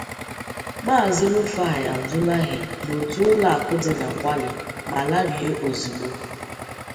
Maazị Rufai Abdulahi n'otu ụlọakụ dị na Kwale ma larie ozigbo